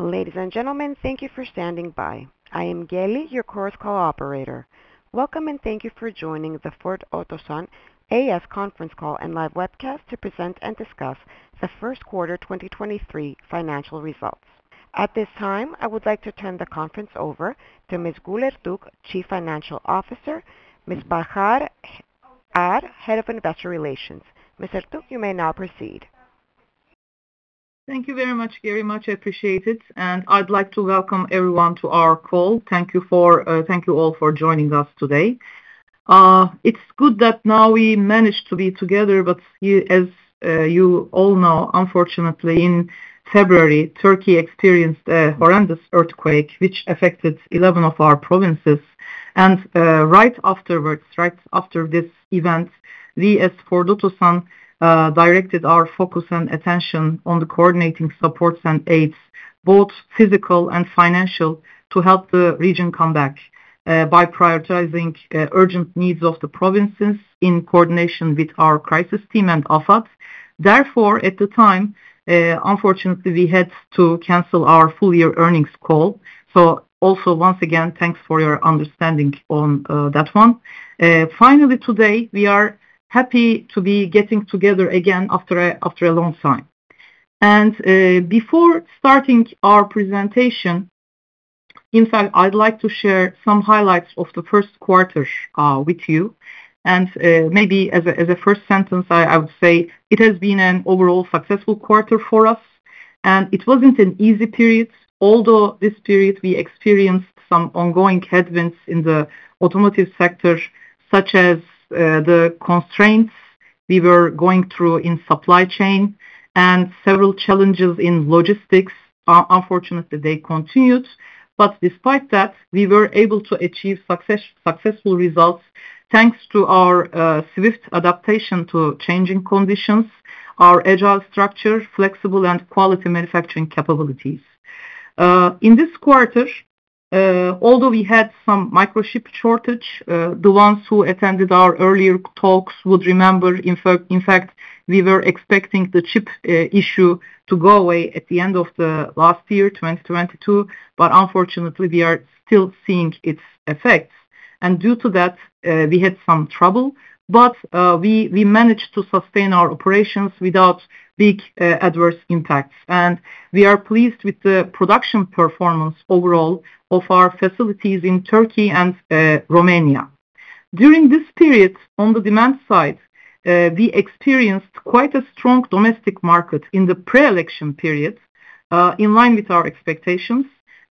Ladies and gentlemen, thank you for standing by. I am Geli, your conference call operator. Welcome, and thank you for joining the Ford Otosan A.Ş. conference call and live webcast to present and discuss the First Quarter 2023 Financial Results. At this time, I would like to turn the conference over to Ms. Gül Ertuğ, Chief Financial Officer, Ms. Bahar Efeoğlu Ağar, Head of Investor Relations. Ms. Ertuğ, you may now proceed. Thank you very much, Geli, much appreciated. I'd like to welcome everyone to our call. Thank you all for joining us today. It's good that now we managed to be together, but as you all know, unfortunately, in February, Turkey experienced a horrendous earthquake which affected 11 of our provinces. Right after this event, we as Ford Otosan directed our focus and attention on the coordinating supports and aids, both physical and financial, to help the region come back by prioritizing urgent needs of the provinces in coordination with our crisis team and AFAD. Therefore, at the time, unfortunately, we had to cancel our full-year earnings call. Also once again, thanks for your understanding on that one. Finally today, we are happy to be getting together again after a long time. Before starting our presentation, in fact, I'd like to share some highlights of the first quarter with you and maybe as a first sentence, I would say it has been an overall successful quarter for us, and it wasn't an easy period. Although this period we experienced some ongoing headwinds in the automotive sector, such as the constraints we were going through in supply chain and several challenges in logistics. Unfortunately, they continued. Despite that, we were able to achieve successful results, thanks to our swift adaptation to changing conditions, our agile structure, and flexible and quality manufacturing capabilities. In this quarter, although we had some microchip shortage, the ones who attended our earlier talks would remember in fact, we were expecting the chip issue to go away at the end of the last year, 2022, but unfortunately, we are still seeing its effects. Due to that, we had some trouble, but we managed to sustain our operations without big adverse impacts. We are pleased with the production performance overall of our facilities in Turkey and Romania. During this period, on the demand side, we experienced quite a strong domestic market in the pre-election period, in line with our expectations,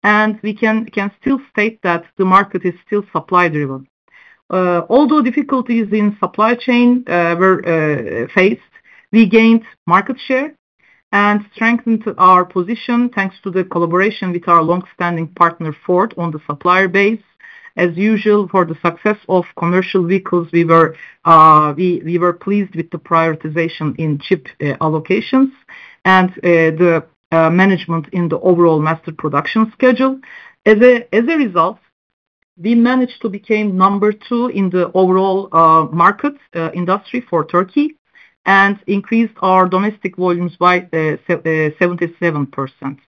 and we can still state that the market is still supply-driven. Although difficulties in supply chain were faced, we gained market share and strengthened our position thanks to the collaboration with our long-standing partner, Ford, on the supplier base. As usual, for the success of commercial vehicles, we were pleased with the prioritization in chip allocations and the management in the overall master production schedule. As a result, we managed to became number two in the overall market industry for Turkey and increased our domestic volumes by 77%.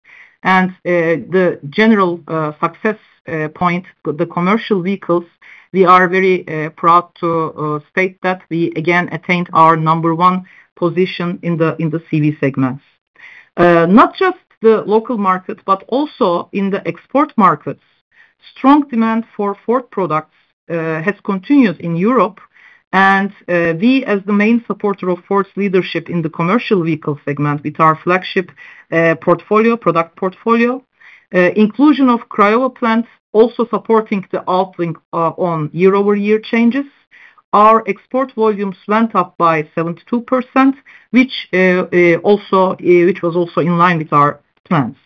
The general success point, the commercial vehicles, we are very proud to state that we again attained our number one position in the CV segments. Not just the local markets, but also in the export markets. Strong demand for Ford products has continued in Europe and we as the main supporter of Ford's leadership in the commercial vehicle segment with our flagship product portfolio. Inclusion of Craiova plant also supporting the upswing on year-over-year changes. Our export volumes went up by 72%, which was also in line with our plans.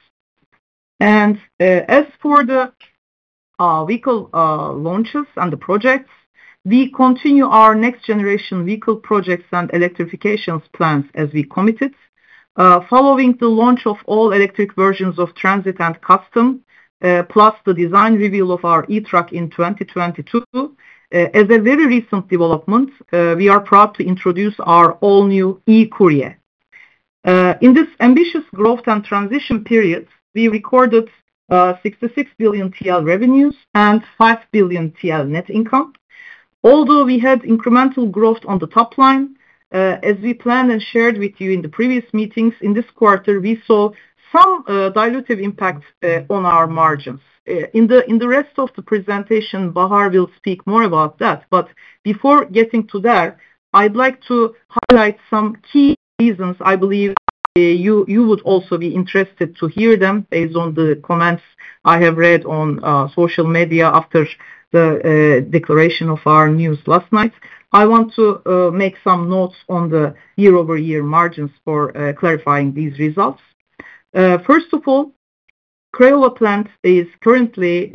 As for the vehicle launches and the projects, we continue our next generation vehicle projects and electrification plans as we committed. Following the launch of all-electric versions of Transit and Custom, plus the design reveal of our e-truck in 2022. As a very recent development, we are proud to introduce our all-new E-Courier. In this ambitious growth and transition period, we recorded 66 billion TL revenues and 5 billion TL net income. Although we had incremental growth on the top line, as we planned and shared with you in the previous meetings, in this quarter, we saw some dilutive impact on our margins. In the rest of the presentation, Bahar will speak more about that. Before getting to that, I'd like to highlight some key reasons I believe you would also be interested to hear them based on the comments I have read on social media after the declaration of our news last night. I want to make some notes on the year-over-year margins for clarifying these results. First of all, Craiova plant is currently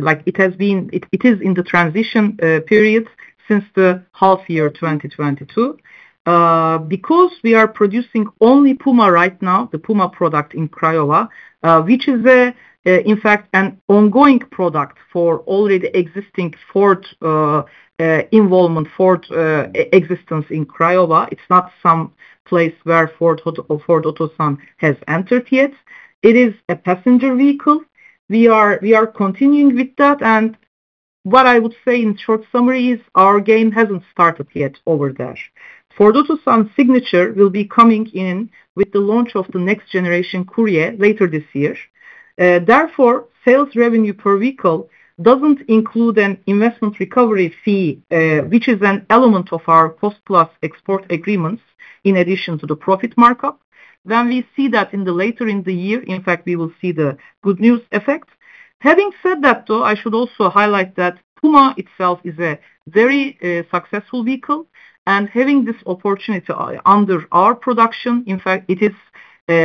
like it has been, it is in the transition period since the half year 2022. Because we are producing only Puma right now, the Puma product in Craiova, which is, in fact, an ongoing product for already existing Ford involvement, Ford existence in Craiova. It's not some place where Ford or Ford Otosan has entered yet. It is a passenger vehicle. We are continuing with that. What I would say in short summary is our game hasn't started yet over there. Ford Otosan signature will be coming in with the launch of the next generation Courier later this year. Therefore, sales revenue per vehicle doesn't include an investment recovery fee, which is an element of our cost-plus export agreements in addition to the profit markup. Then we see that later in the year. In fact, we will see the good news effect. Having said that, though, I should also highlight that Puma itself is a very successful vehicle and having this opportunity under our production, in fact, it is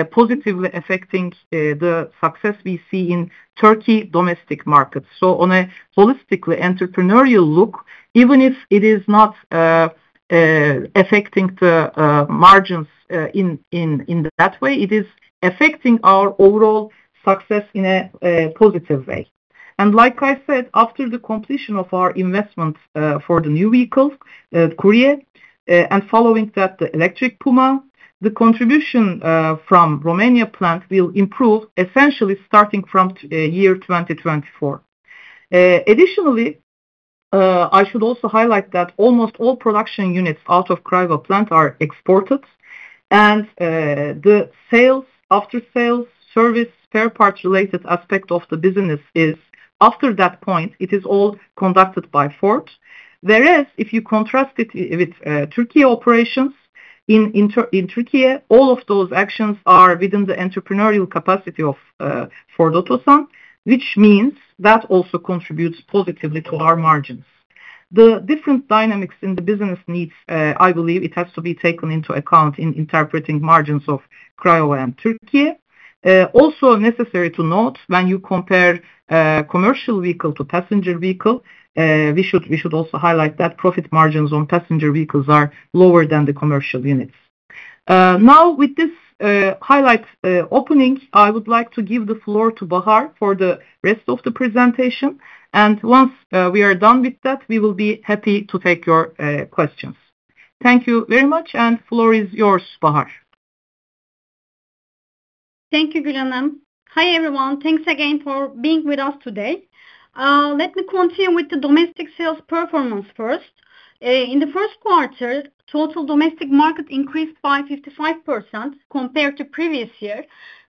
positively affecting the success we see in Turkey domestic markets. So on a holistically entrepreneurial look, even if it is not affecting the margins in that way, it is affecting our overall success in a positive way. Like I said, after the completion of our investment for the new vehicle Courier and following that, the electric Puma, the contribution from Romania plant will improve essentially starting from year 2024. Additionally, I should also highlight that almost all production units out of Craiova plant are exported and the sales, after sales service, spare parts related aspect of the business is after that point, it is all conducted by Ford. Whereas if you contrast it with Turkey operations, in Turkey, all of those actions are within the entrepreneurial capacity of Ford Otosan, which means that also contributes positively to our margins. The different dynamics in the business needs, I believe it has to be taken into account in interpreting margins of Craiova and Turkey. Also necessary to note when you compare commercial vehicle to passenger vehicle, we should also highlight that profit margins on passenger vehicles are lower than the commercial units. Now with this highlight opening, I would like to give the floor to Bahar for the rest of the presentation. Once we are done with that, we will be happy to take your questions. Thank you very much and floor is yours, Bahar. Thank you, Gül Ertuğ. Hi, everyone. Thanks again for being with us today. Let me continue with the domestic sales performance first. In the first quarter, total domestic market increased by 55% compared to previous year.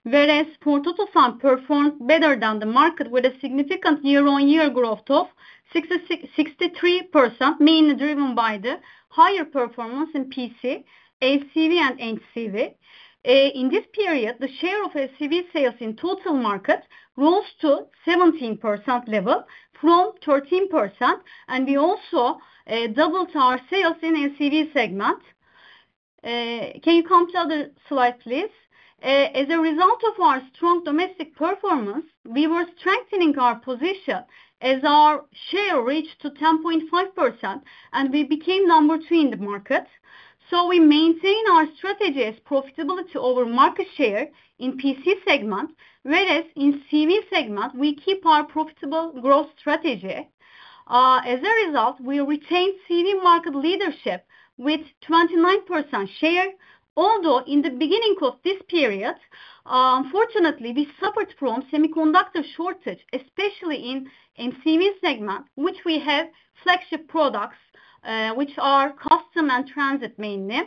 Whereas Ford Otosan performed better than the market with a significant year-on-year growth of 63%, mainly driven by the higher performance in PC, LCV and NCV. In this period, the share of LCV sales in total market rose to 17% level from 13%, and we also doubled our sales in NCV segment. Can you come to other slide, please? As a result of our strong domestic performance, we were strengthening our position as our share reached to 10.5% and we became number two in the market. We maintain our strategy as profitable to over market share in PC segment. Whereas in CV segment, we keep our profitable growth strategy. As a result, we retained CV market leadership with 29% share. Although in the beginning of this period, unfortunately we suffered from semiconductor shortage, especially in CV segment, which we have flagship products, which are Custom and Transit mainly.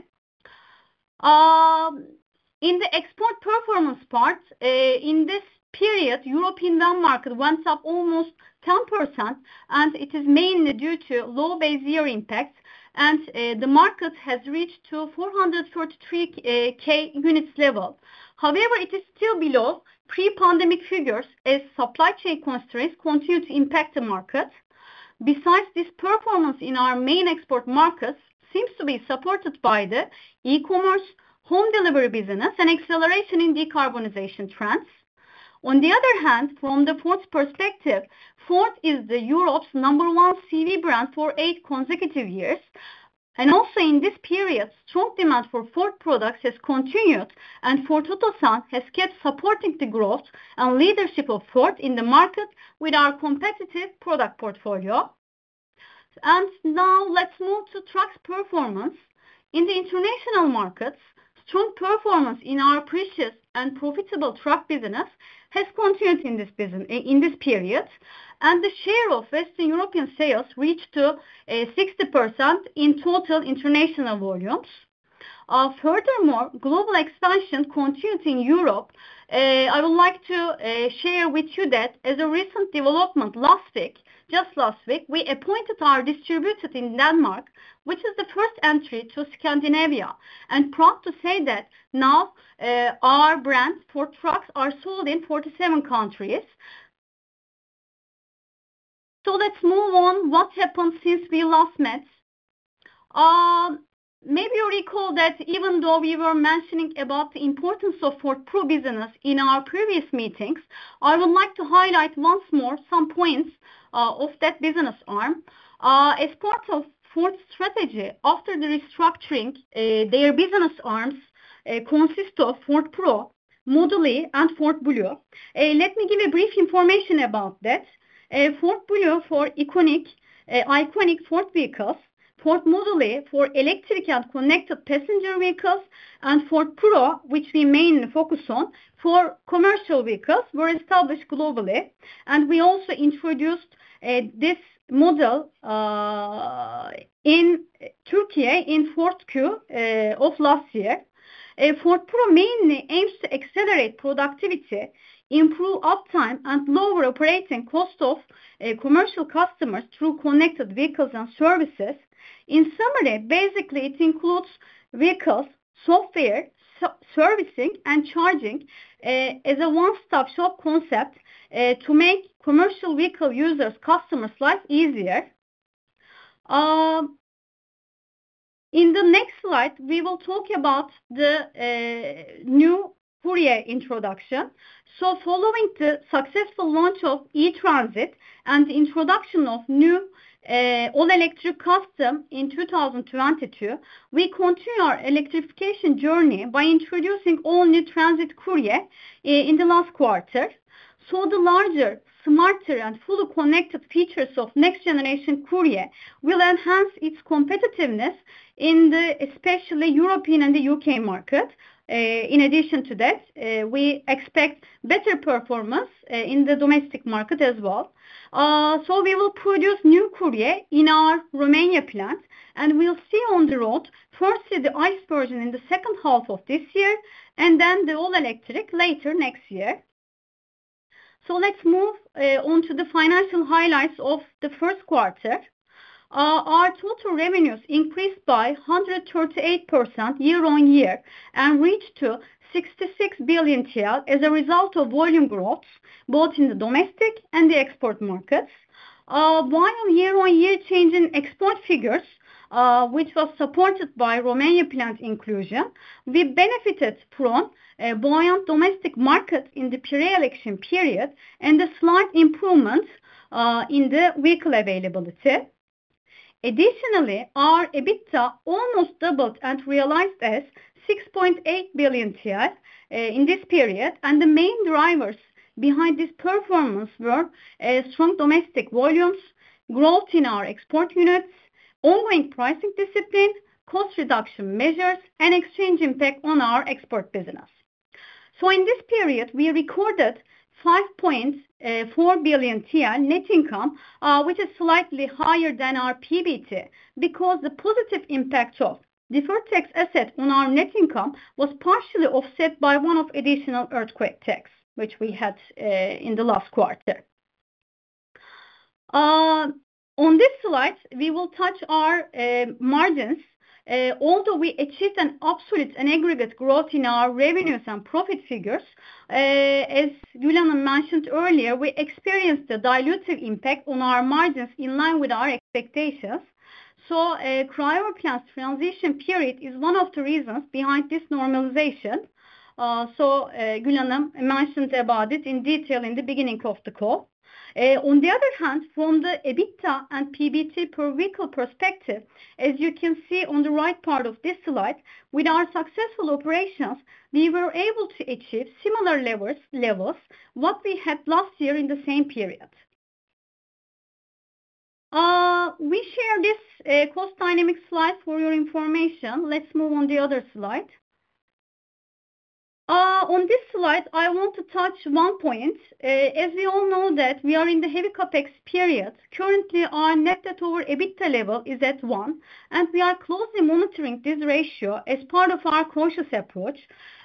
In the export performance part, in this period, European van market went up almost 10%, and it is mainly due to low base year impact. The market has reached 443K units level. However, it is still below pre-pandemic figures as supply chain constraints continue to impact the market. Besides, this performance in our main export markets seems to be supported by the e-commerce home delivery business and acceleration in decarbonization trends. On the other hand, from Ford's perspective, Ford is Europe's number one CV brand for eight consecutive years. Also in this period, strong demand for Ford products has continued and Ford Otosan has kept supporting the growth and leadership of Ford in the market with our competitive product portfolio. Now let's move to trucks performance. In the international markets, strong performance in our previous and profitable truck business has continued in this period. The share of Western European sales reached to 60% in total international volumes. Furthermore, global expansion continued in Europe. I would like to share with you that as a recent development last week, just last week, we appointed our distributor in Denmark, which is the first entry to Scandinavia. Proud to say that now our brands for trucks are sold in 47 countries. Let's move on what happened since we last met. Maybe you recall that even though we were mentioning about the importance of Ford Pro business in our previous meetings, I would like to highlight once more some points of that business arm. As part of Ford's strategy after the restructuring, their business arms consist of Ford Pro, Ford Model e and Ford Blue. Let me give a brief information about that. Ford Blue for iconic Ford vehicle, Ford Model e for electric and connected passenger vehicles, and Ford Pro, which we mainly focus on for commercial vehicles, were established globally. We also introduced this model in Turkey in Q4 of last year. Ford Pro mainly aims to accelerate productivity, improve uptime, and lower operating cost of commercial customers through connected vehicles and services. In summary, basically, it includes vehicles, software, servicing, and charging as a one-stop-shop concept to make commercial vehicle users, customers' life easier. In the next slide, we will talk about the new Courier introduction. Following the successful launch of E-Transit and the introduction of new all-electric Custom in 2022, we continue our electrification journey by introducing all new Transit Courier in the last quarter. The larger, smarter, and fully connected features of next-generation Courier will enhance its competitiveness, especially in the European and the U.K. market. In addition to that, we expect better performance in the domestic market as well. We will produce new Courier in our Romania plant, and we'll see on the road firstly the ICE version in the second half of this year and then the all-electric later next year. Let's move on to the financial highlights of the first quarter. Our total revenues increased by 138% year-on-year and reached 66 billion TL as a result of volume growth, both in the domestic and the export markets. While year-on-year change in export figures, which was supported by Romania plant inclusion, we benefited from a buoyant domestic market in the pre-election period and a slight improvement in the vehicle availability. Additionally, our EBITDA almost doubled and realized as 6.8 billion TL in this period, and the main drivers behind this performance were strong domestic volumes, growth in our export units, ongoing pricing discipline, cost reduction measures, and exchange impact on our export business. In this period, we recorded 5.4 billion TL net income, which is slightly higher than our PBT, because the positive impact of deferred tax asset on our net income was partially offset by one-off additional earthquake checks, which we had in the last quarter. On this slide, we will touch our margins. Although we achieved an absolute and aggregate growth in our revenues and profit figures, as Gül Ertuğ mentioned earlier, we experienced a dilutive impact on our margins in line with our expectations. A Craiova plant transition period is one of the reasons behind this normalization. Gül Ertuğ mentioned about it in detail in the beginning of the call. On the other hand, from the EBITDA and PBT per vehicle perspective, as you can see on the right part of this slide, with our successful operations, we were able to achieve similar levels what we had last year in the same period. We share this cost dynamic slide for your information. Let's move on the other slide. On this slide, I want to touch one point. As we all know that we are in the heavy CapEx period, currently our net debt over EBITDA level is at 1, and we are closely monitoring this ratio as part of our cautious approach.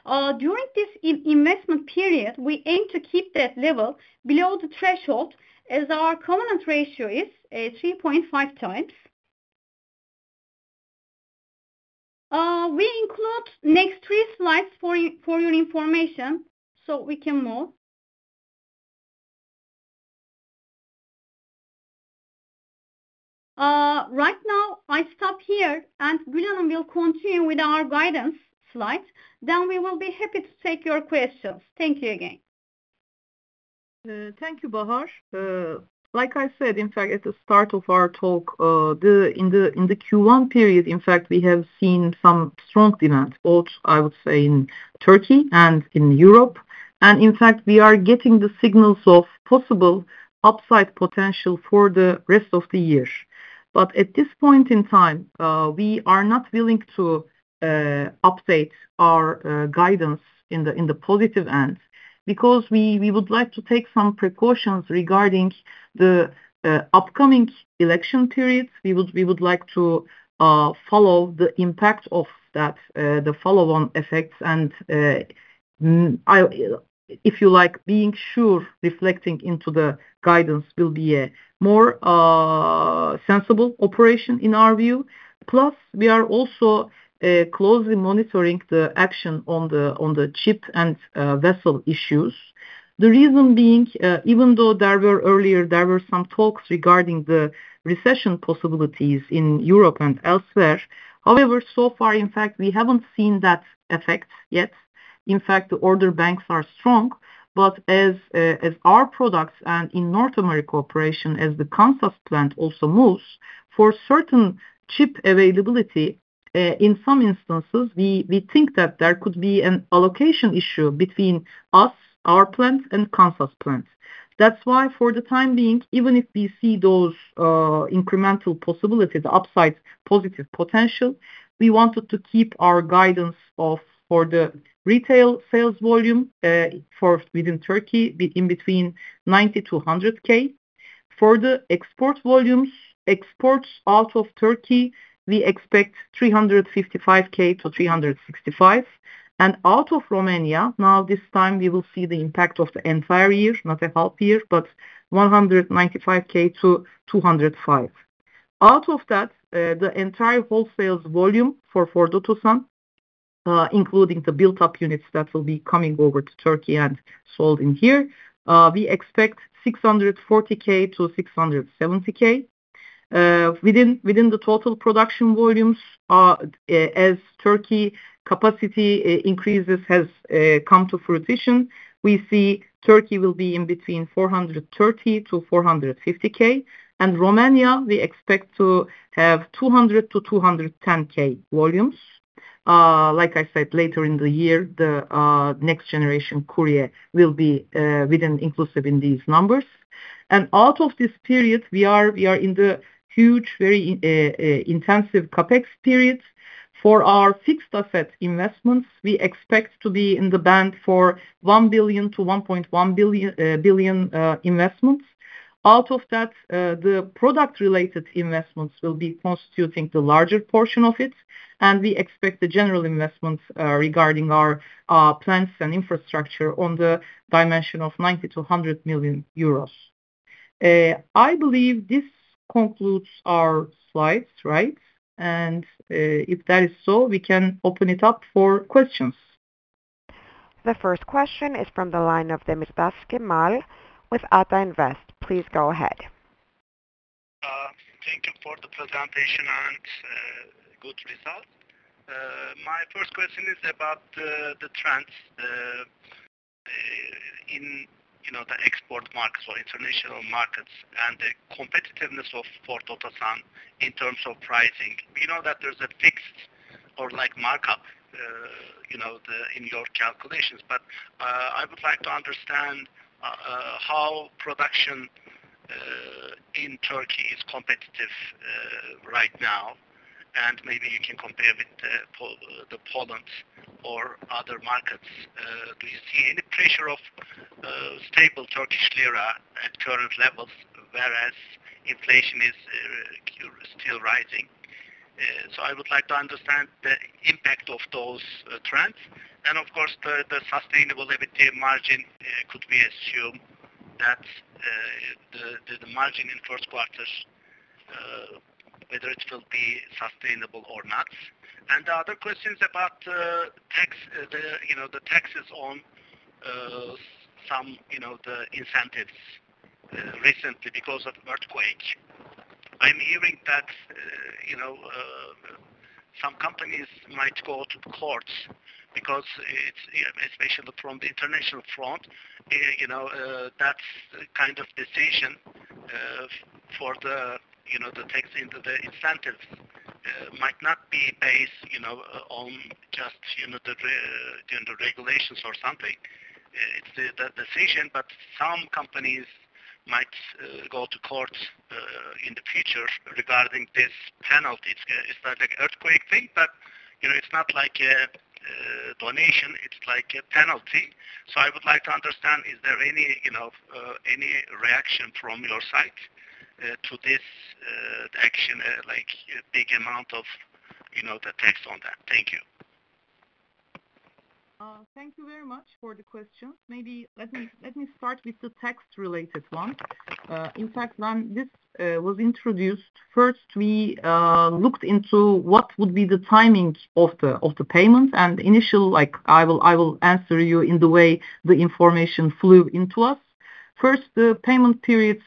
During this investment period, we aim to keep that level below the threshold as our covenant ratio is 3.5x. We include next three slides for your information, so we can move. Right now, I stop here and Gül Ertuğ will continue with our guidance slide. Then we will be happy to take your questions. Thank you again. Thank you, Bahar. Like I said, in fact, at the start of our talk, in the Q1 period, in fact, we have seen some strong demand, both, I would say, in Turkey and in Europe. In fact, we are getting the signals of possible upside potential for the rest of the year. At this point in time, we are not willing to update our guidance in the positive end because we would like to take some precautions regarding the upcoming election periods. We would like to follow the impact of that, the follow-on effects. If you like, being sure reflecting into the guidance will be a more sensible operation in our view. Plus, we are also closely monitoring the action on the chip and vessel issues. The reason being, even though there were some talks regarding the recession possibilities in Europe and elsewhere. However, so far, in fact, we haven't seen that effect yet. In fact, the order banks are strong, but as our products and in North America operation, as the Kansas plant also moves. For certain chip availability, in some instances, we think that there could be an allocation issue between us, our plants, and Kansas plants. That's why for the time being, even if we see those incremental possibilities, the upside positive potential, we wanted to keep our guidance for the retail sales volume for within Turkey be in between 90K-100K. For the export volumes, exports out of Turkey, we expect 355K-365K. Out of Romania, now this time we will see the impact of the entire year, not a half year, but 195K-205K. Out of that, the entire wholesale volume for Ford Otosan, including the built up units that will be coming over to Turkey and sold in here, we expect 640K-670K. Within the total production volumes, as Turkey capacity increases has come to fruition, we see Turkey will be in between 430K-450K. Romania, we expect to have 200K-210K volumes. Like I said, later in the year, the next generation Courier will be included in these numbers. Out of this period, we are in the huge, very intensive CapEx period. For our fixed asset investments, we expect to be in the band of 1 billion-1.1 billion investments. Out of that, the product-related investments will be constituting the larger portion of it, and we expect the general investments regarding our plants and infrastructure on the dimension of 90 million-100 million euros. I believe this concludes our slides, right? If that is so, we can open it up for questions. The first question is from the line of Cemal Demirtaş with Ata Invest. Please go ahead. Thank you for the presentation and good results. My first question is about the trends in you know the export markets or international markets and the competitiveness of Ford Otosan in terms of pricing. We know that there's a fixed or like markup you know then in your calculations. I would like to understand how production in Turkey is competitive right now, and maybe you can compare with Poland or other markets. Do you see any pressure of stable Turkish lira at current levels, whereas inflation is still rising? I would like to understand the impact of those trends. Of course, the sustainable EBITDA margin, could we assume that the margin in first quarter whether it will be sustainable or not? The other question is about taxes, you know, the taxes on some, you know, the incentives recently because of earthquake. I'm hearing that you know some companies might go to courts because it's especially from the international front you know that kind of decision for the, you know, the tax on the incentives might not be based you know on just you know the regulations or something. It's the decision, but some companies might go to court in the future regarding this penalty. It's not like earthquake thing, but you know it's not like a donation, it's like a penalty. I would like to understand, is there any you know any reaction from your side to this action like big amount of you know the tax on that? Thank you. Thank you very much for the question. Maybe let me start with the tax-related one. In fact, when this was introduced, first we looked into what would be the timing of the payment. Initially, like, I will answer you in the way the information flowed into us. First, the payment periods,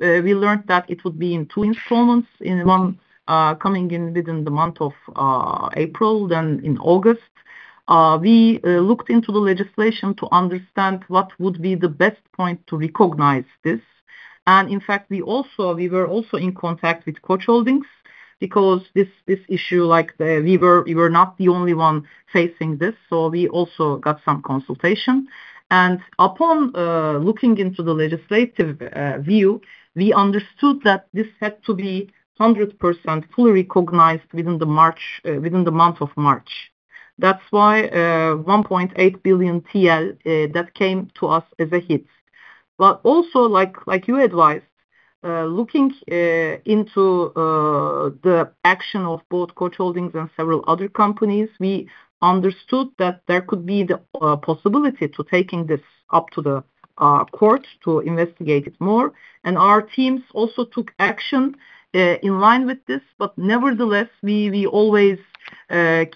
we learned that it would be in two installments, one coming in within the month of April, then in August. We looked into the legislation to understand what would be the best point to recognize this. In fact, we were also in contact with Koç Holding because this issue, like we were not the only one facing this, so we also got some consultation. Upon looking into the legislative view, we understood that this had to be 100% fully recognized within the month of March. That's why 1.8 billion TL that came to us as a hit. But also like you advised, looking into the action of both Koç Holding and several other companies, we understood that there could be the possibility to taking this up to the courts to investigate it more. Our teams also took action in line with this. Nevertheless, we always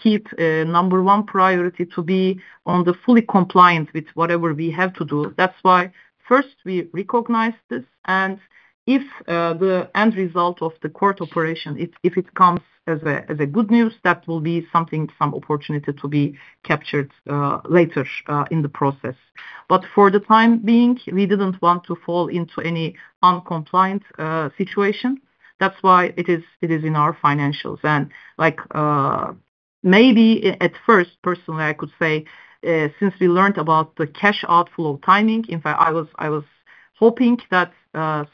keep number one priority to be on the fully compliant with whatever we have to do. That's why first we recognize this, and if the end result of the court operation, if it comes as good news, that will be some opportunity to be captured later in the process. For the time being, we didn't want to fall into any noncompliant situation. That's why it is in our financials. Like, maybe at first, personally, I could say, since we learned about the cash outflow timing, in fact, I was hoping that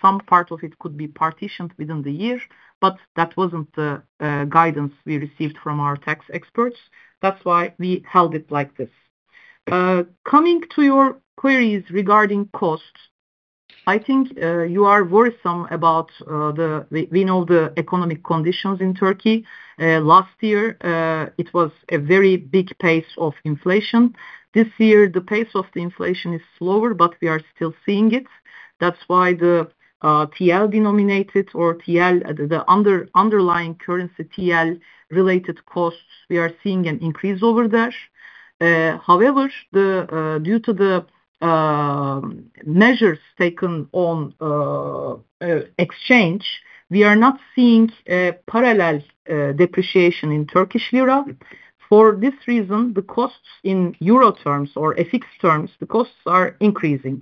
some part of it could be apportioned within the year, but that wasn't the guidance we received from our tax experts. That's why we held it like this. Coming to your queries regarding costs, I think you are worried about them. We know the economic conditions in Turkey. Last year, it was a very big pace of inflation. This year, the pace of the inflation is slower, but we are still seeing it. That's why the TL-denominated or TL, the underlying currency, TL-related costs, we are seeing an increase over there. However, due to the measures taken on exchange, we are not seeing a parallel depreciation in Turkish lira. For this reason, the costs in euro terms or FX terms, the costs are increasing.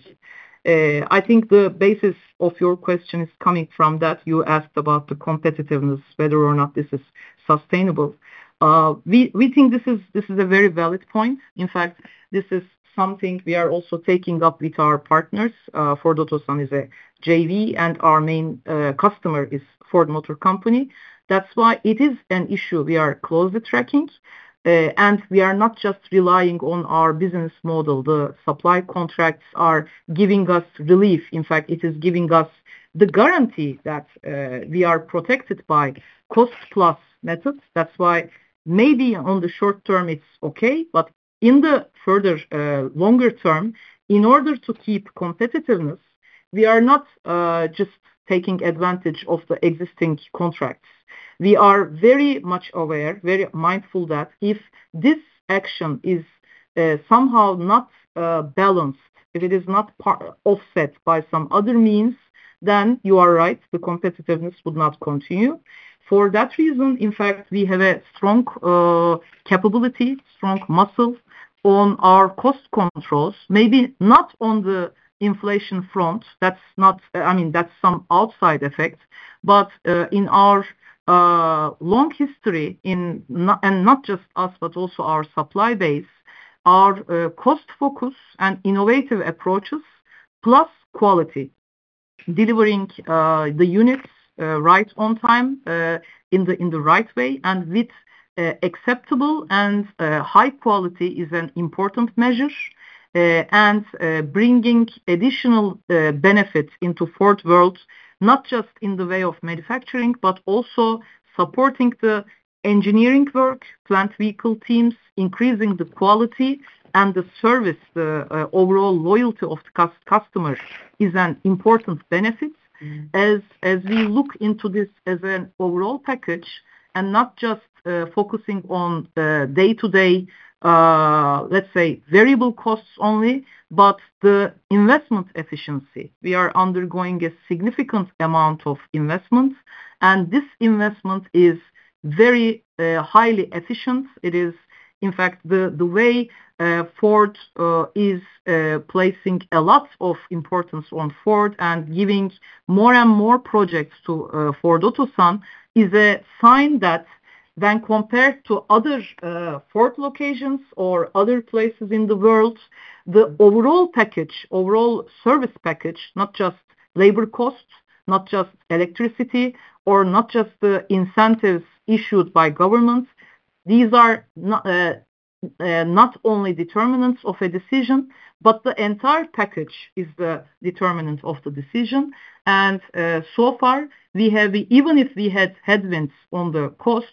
I think the basis of your question is coming from that you asked about the competitiveness, whether or not this is sustainable. We think this is a very valid point. In fact, this is something we are also taking up with our partners. Ford Otosan is a JV, and our main customer is Ford Motor Company. That's why it is an issue we are closely tracking. We are not just relying on our business model. The supply contracts are giving us relief. In fact, it is giving us the guarantee that we are protected by cost-plus methods. That's why maybe on the short term, it's okay, but in the further longer term, in order to keep competitiveness, we are not just taking advantage of the existing contracts. We are very much aware, very mindful that if this action is somehow not balanced, if it is not offset by some other means, then you are right, the competitiveness would not continue. For that reason, in fact, we have a strong capability, strong muscle on our cost controls, maybe not on the inflation front. I mean, that's some outside effect. In our long history and not just us, but also our supply base, our cost focus and innovative approaches, plus quality, delivering the units right on time, in the right way and with acceptable and high quality is an important measure. Bringing additional benefits into Ford world, not just in the way of manufacturing, but also supporting the engineering work, plant vehicle teams, increasing the quality and the service, the overall loyalty of the customer is an important benefit. As we look into this as an overall package and not just focusing on the day-to-day, let's say, variable costs only, but the investment efficiency. We are undergoing a significant amount of investment, and this investment is very highly efficient. It is, in fact, the way Ford is placing a lot of importance on Ford and giving more and more projects to Ford Otosan is a sign that when compared to other Ford locations or other places in the world, the overall package, overall service package, not just labor costs, not just electricity, or not just the incentives issued by governments, these are not only determinants of a decision, but the entire package is the determinant of the decision. So far, we have even if we had headwinds on the costs,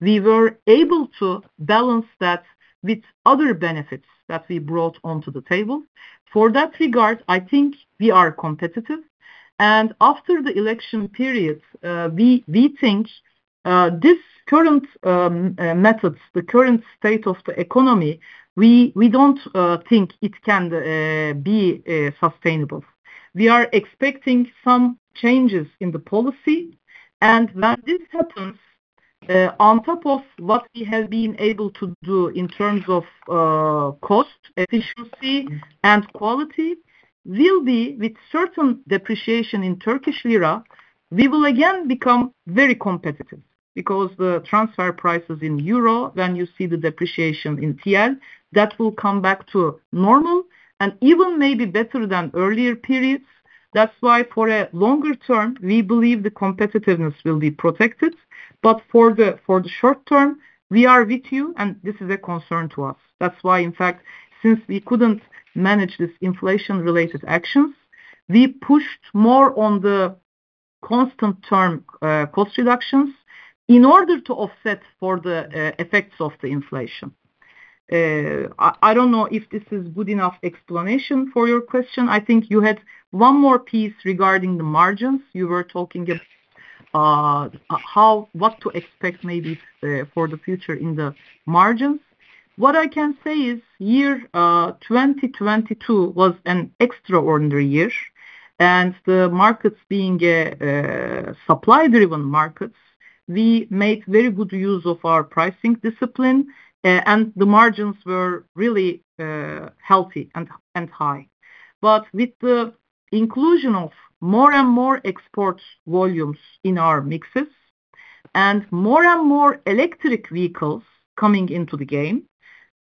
we were able to balance that with other benefits that we brought onto the table. For that regard, I think we are competitive. After the election period, we think the current state of the economy. We don't think it can be sustainable. We are expecting some changes in the policy. When this happens, on top of what we have been able to do in terms of cost efficiency and quality, we'll be with certain depreciation in Turkish lira, we will again become very competitive because the transfer prices in euro, when you see the depreciation in TL, that will come back to normal and even maybe better than earlier periods. That's why for a longer term, we believe the competitiveness will be protected. For the short term, we are with you, and this is a concern to us. That's why, in fact, since we couldn't manage this inflation-related actions, we pushed more on the constant term, cost reductions in order to offset for the, effects of the inflation. I don't know if this is good enough explanation for your question. I think you had one more piece regarding the margins. You were talking of what to expect maybe for the future in the margins. What I can say is year 2022 was an extraordinary year. The markets being supply-driven markets, we make very good use of our pricing discipline and the margins were really healthy and high. But with the inclusion of more and more export volumes in our mixes and more and more electric vehicles coming into the game,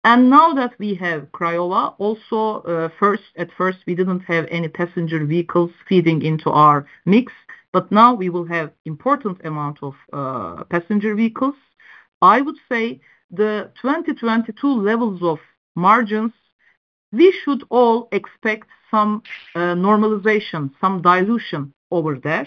and now that we have Craiova also, first. At first we didn't have any passenger vehicles feeding into our mix, but now we will have important amount of passenger vehicles. I would say the 2022 levels of margins, we should all expect some normalization, some dilution over there.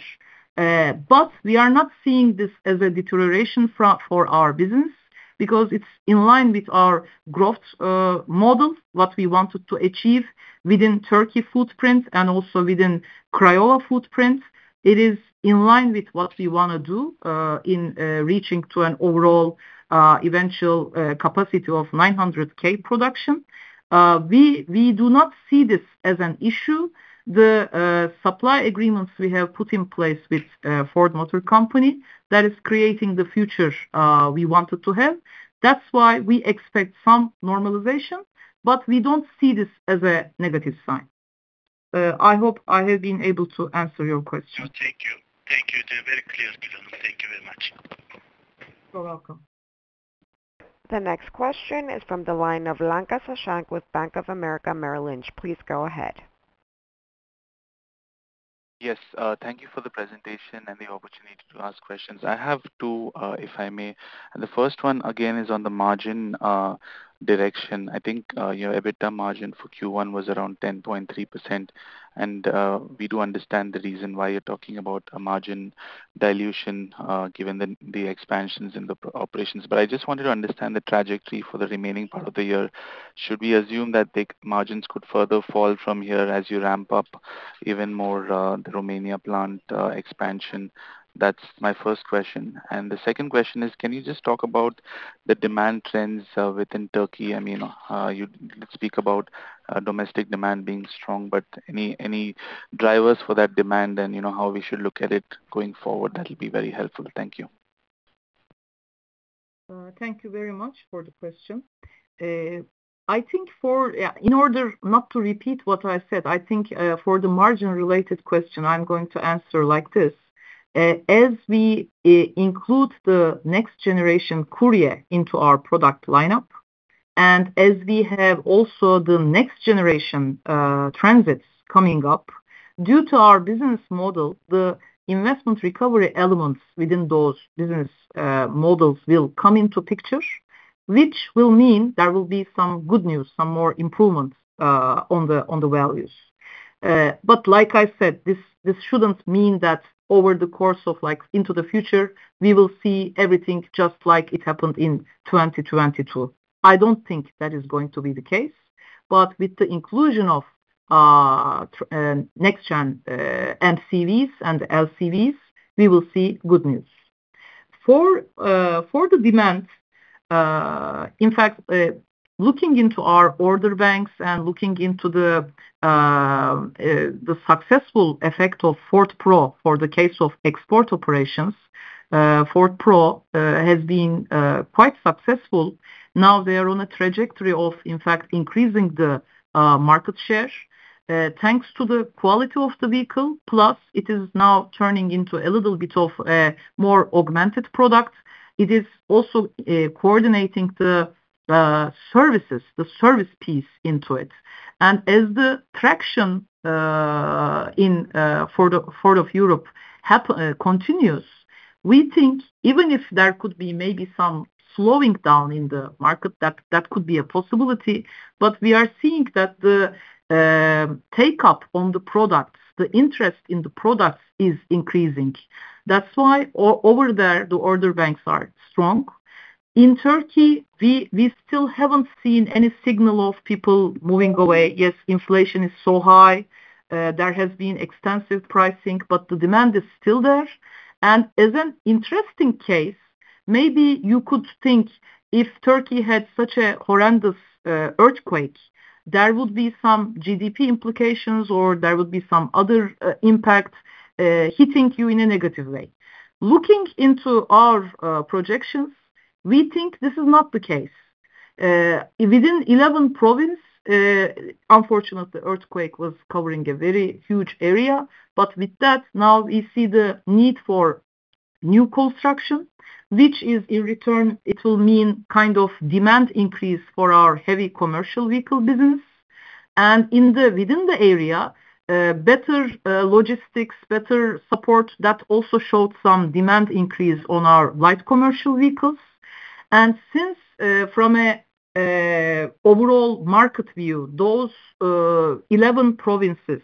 We are not seeing this as a deterioration for our business because it's in line with our growth model, what we wanted to achieve within Turkey footprint and also within Craiova footprint. It is in line with what we wanna do in reaching to an overall eventual capacity of 900K production. We do not see this as an issue. The supply agreements we have put in place with Ford Motor Company, that is creating the future we wanted to have. That's why we expect some normalization, but we don't see this as a negative sign. I hope I have been able to answer your question. Thank you. They're very clear, Gül Ertuğ. Thank you very much. You're welcome. The next question is from the line of Sashank Lanka with Bank of America Merrill Lynch. Please go ahead. Yes. Thank you for the presentation and the opportunity to ask questions. I have two, if I may. The first one, again, is on the margin direction. I think, your EBITDA margin for Q1 was around 10.3%, and we do understand the reason why you're talking about a margin dilution, given the expansions in the operations. I just wanted to understand the trajectory for the remaining part of the year. Should we assume that the margins could further fall from here as you ramp up even more, the Romania plant expansion? That's my first question. The second question is, can you just talk about the demand trends within Turkey? I mean, you speak about domestic demand being strong, but any drivers for that demand and, you know, how we should look at it going forward? That'll be very helpful. Thank you. Thank you very much for the question. In order not to repeat what I said, I think, for the margin related question, I'm going to answer like this. As we include the next generation Courier into our product lineup, and as we have also the next generation Transit coming up, due to our business model, the investment recovery elements within those business models will come into picture, which will mean there will be some good news, some more improvement on the values. Like I said, this shouldn't mean that over the course of, like, into the future, we will see everything just like it happened in 2022. I don't think that is going to be the case. With the inclusion of next-gen NCVs and LCVs, we will see good news. For the demand, in fact, looking into our order banks and the successful effect of Ford Pro for the case of export operations, Ford Pro has been quite successful. Now they are on a trajectory of, in fact, increasing the market share, thanks to the quality of the vehicle, plus it is now turning into a little bit of a more augmented product. It is also coordinating the services, the service piece into it. As the traction in Ford of Europe continues, we think even if there could be maybe some slowing down in the market, that could be a possibility, but we are seeing that the take-up on the products, the interest in the products is increasing. That's why over there, the order banks are strong. In Turkey, we still haven't seen any signal of people moving away. Yes, inflation is so high. There has been extensive pricing, but the demand is still there. As an interesting case, maybe you could think if Turkey had such a horrendous earthquake, there would be some GDP implications or there would be some other impact hitting you in a negative way. Looking into our projections, we think this is not the case. Within 11 provinces, unfortunately, earthquake was covering a very huge area. With that, now we see the need for new construction, which in return will mean kind of demand increase for our heavy commercial vehicle business. Within the area, better logistics, better support, that also showed some demand increase on our light commercial vehicles. Since from a overall market view, those 11 provinces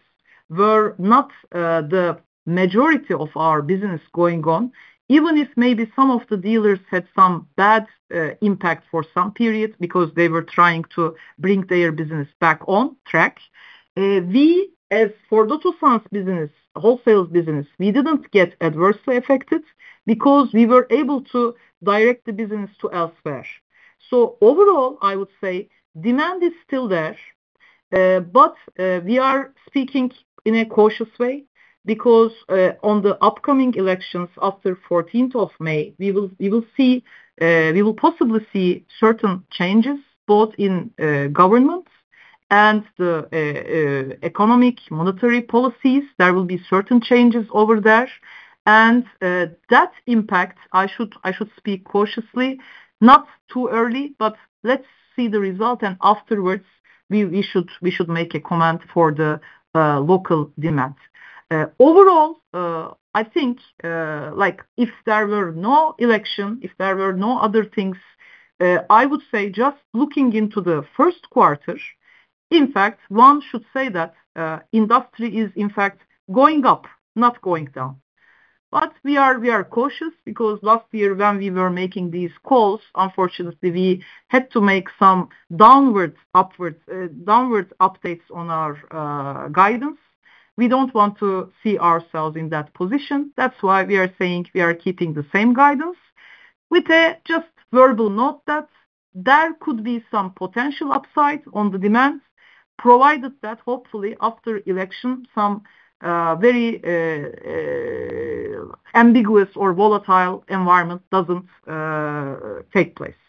were not the majority of our business going on. Even if maybe some of the dealers had some bad impact for some period because they were trying to bring their business back on track, we as Ford Otosan business, wholesale business, we didn't get adversely affected because we were able to direct the business to elsewhere. Overall, I would say demand is still there, but we are speaking in a cautious way because on the upcoming elections after 14th of May, we will possibly see certain changes both in government and the economic monetary policies. There will be certain changes over there. That impact, I should speak cautiously, not too early, but let's see the result and afterwards we should make a comment for the local demand. Overall, I think, like if there were no election, if there were no other things, I would say just looking into the first quarter, in fact, one should say that industry is in fact going up, not going down. We are cautious because last year when we were making these calls, unfortunately, we had to make some downwards, upwards, downwards updates on our guidance. We don't want to see ourselves in that position. That's why we are saying we are keeping the same guidance with a just verbal note that there could be some potential upside on the demand, provided that hopefully after election, some very ambiguous or volatile environment doesn't take place.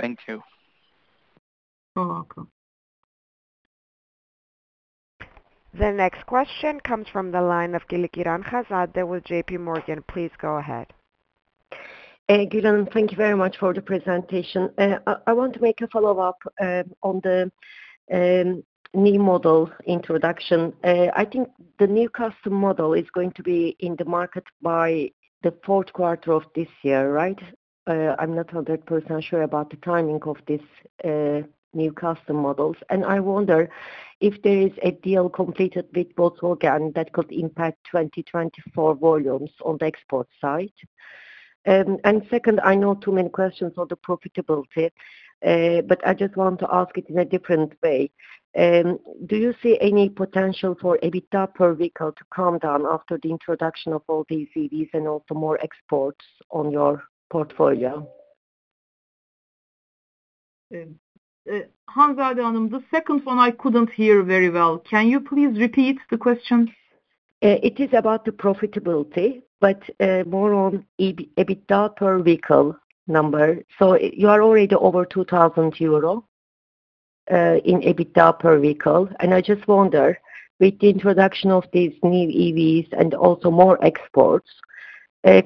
Thank you. You're welcome. The next question comes from the line of Hazal Gelikiran with J.P. Morgan. Please go ahead. Good. Thank you very much for the presentation. I want to make a follow-up on the new model introduction. I think the new Transit Custom model is going to be in the market by the fourth quarter of this year, right? I'm not 100% sure about the timing of this new Transit Custom models. I wonder if there is a deal completed with Volkswagen that could impact 2024 volumes on the export side. Second, I know too many questions on the profitability, but I just want to ask it in a different way. Do you see any potential for EBITDA per vehicle to come down after the introduction of all these EVs and also more exports on your portfolio? Hazal Gelikiran, the second one I couldn't hear very well. Can you please repeat the question? It is about the profitability, but more on EBITDA per vehicle number. You are already over 2000 euro in EBITDA per vehicle. I just wonder, with the introduction of these new EVs and also more exports,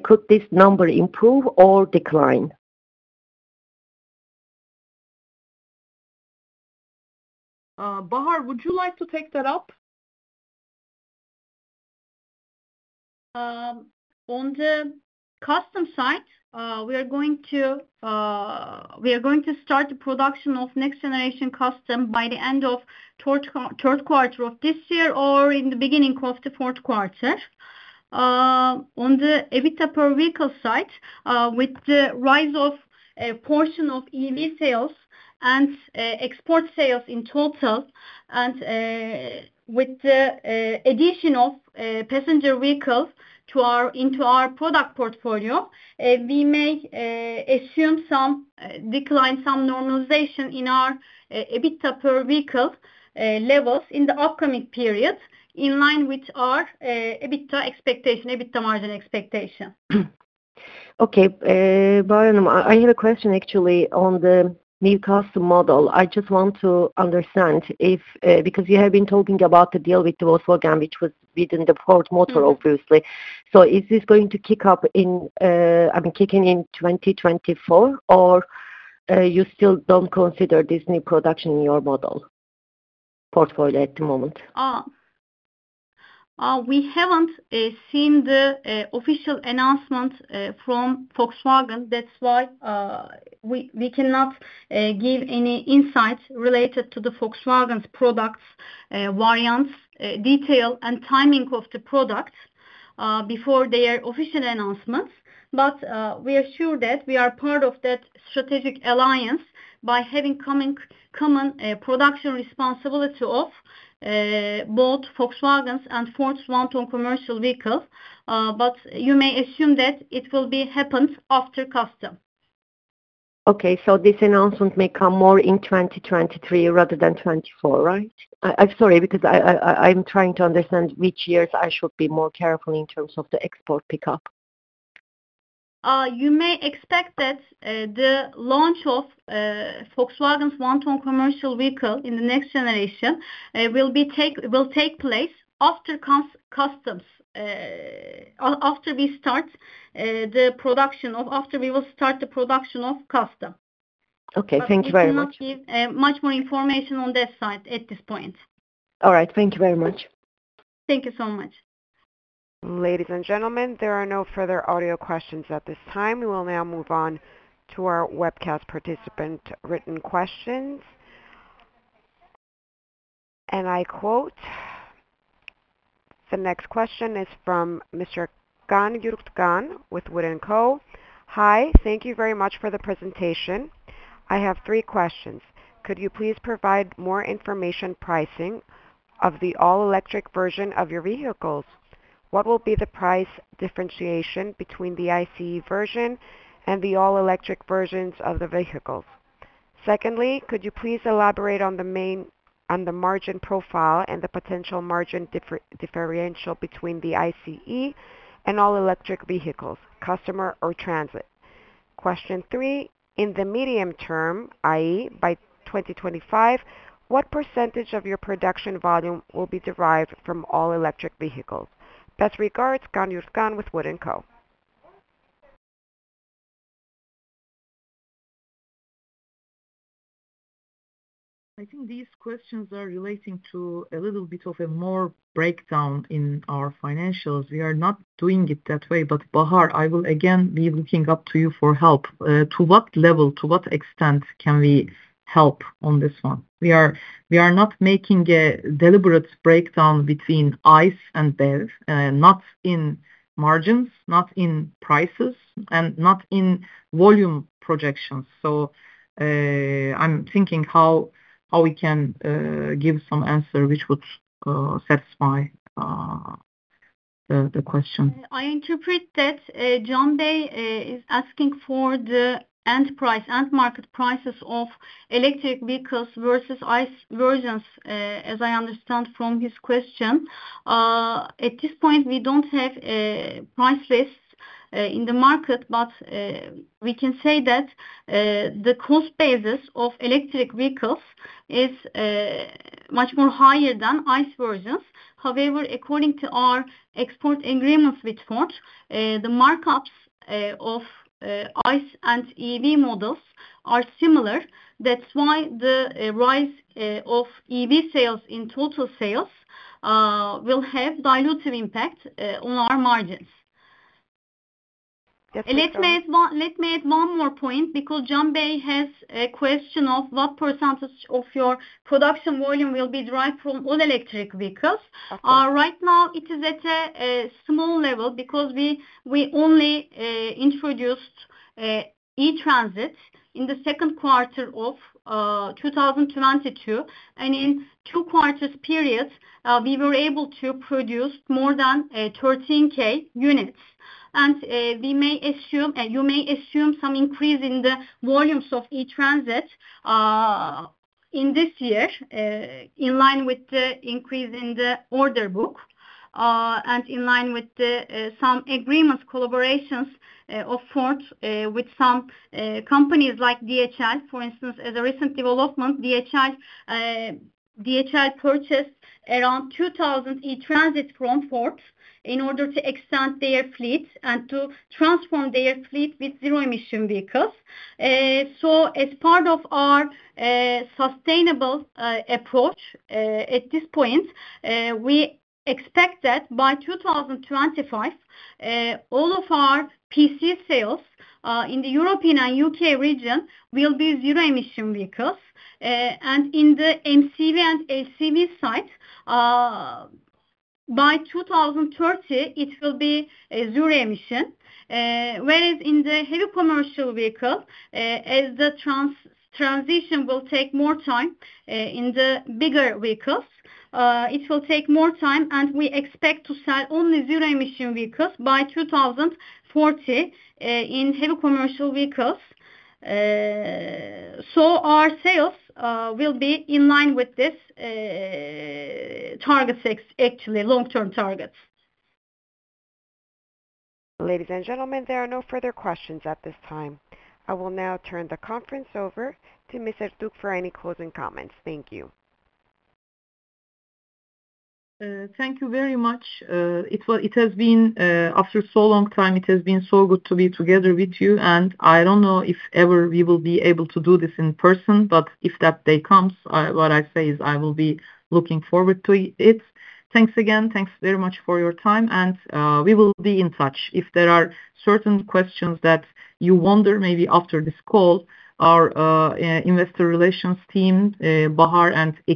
could this number improve or decline? Bahar, would you like to take that up? On the Custom side, we are going to start the production of next generation Custom by the end of third quarter of this year or in the beginning of the fourth quarter. On the EBITDA per vehicle side, with the rise of a portion of EV sales and export sales in total and with the addition of passenger vehicles into our product portfolio, we may assume some decline, some normalization in our EBITDA per vehicle levels in the upcoming period in line with our EBITDA expectation, EBITDA margin expectation. Okay. Bahar, I have a question actually on the new Custom model. I just want to understand if, because you have been talking about the deal with Volkswagen, which was within the Ford Motor, obviously. Is this going to kick in in 2024 or you still don't consider this new production in your model portfolio at the moment? We haven't seen the official announcement from Volkswagen. That's why we cannot give any insights related to Volkswagen's products, variants, detail and timing of the products before their official announcements. We are sure that we are part of that strategic alliance by having common production responsibility of both Volkswagen's and Ford's one-ton commercial vehicle. You may assume that it will be happened after Custom. Okay. This announcement may come more in 2023 rather than 2024, right? I'm sorry, because I'm trying to understand which years I should be more careful in terms of the export pickup. You may expect that the launch of Volkswagen's one-ton commercial vehicle in the next generation will take place after we start the production of Custom. Okay. Thank you very much. We cannot give much more information on that side at this point. All right. Thank you very much. Thank you so much. Ladies and gentlemen, there are no further audio questions at this time. We will now move on to our webcast participant written questions. I quote. The next question is from Mr. Can Yürükan with Wood & Co. Hi. Thank you very much for the presentation. I have three questions. Could you please provide more information pricing of the all-electric version of your vehicles? What will be the price differentiation between the ICE version and the all-electric versions of the vehicles? Secondly, could you please elaborate on the margin profile and the potential margin differential between the ICE and all-electric vehicles, Custom or Transit. Question three, in the medium term, i.e., by 2025, what percentage of your production volume will be derived from all-electric vehicles? Best regards, Can Yürükan with Wood & Co. I think these questions are relating to a little bit of a more breakdown in our financials. We are not doing it that way, but Bahar, I will again be looking up to you for help. To what level, to what extent can we help on this one? We are not making a deliberate breakdown between ICE and BEV, not in margins, not in prices, and not in volume projections. I'm thinking how we can give some answer which would satisfy the question. I interpret that Can Yürükan is asking for the end price, end market prices of electric vehicles versus ICE versions, as I understand from his question. At this point, we don't have price lists in the market, but we can say that the cost basis of electric vehicles is much more higher than ICE versions. However, according to our export agreements with Ford, the markups of ICE and EV models are similar. That's why the rise of EV sales in total sales will have dilutive impact on our margins. Yes. Let me add one more point because Can Yürükan has a question of what percentage of your production volume will be derived from all-electric vehicles. Okay. Right now it is at a small level because we only introduced E-Transit in the second quarter of 2022. In two quarters period, we were able to produce more than 13,000 units. We may assume, you may assume some increase in the volumes of E-Transit in this year in line with the increase in the order book and in line with some agreements, collaborations of Ford with some companies like DHL. For instance, as a recent development, DHL purchased around 2,000 E-Transit from Ford in order to extend their fleet and to transform their fleet with zero-emission vehicles. As part of our sustainable approach, at this point, we expect that by 2025, all of our PC sales in the European and U.K. region will be zero emission vehicles. In the MCV and HCV side, by 2030, it will be zero emission. Whereas in the heavy commercial vehicle, as the transition will take more time in the bigger vehicles, it will take more time, and we expect to sell only zero emission vehicles by 2040 in heavy commercial vehicles. Our sales will be in line with this target six, actually long-term targets. Ladies and gentlemen, there are no further questions at this time. I will now turn the conference over to Ms. Gül Ertuğ for any closing comments. Thank you. Thank you very much. It has been, after so long time, it has been so good to be together with you, and I don't know if ever we will be able to do this in person, but if that day comes, what I say is I will be looking forward to it. Thanks again. Thanks very much for your time and, we will be in touch. If there are certain questions that you wonder maybe after this call, our investor relations team, Bahar and Ekin.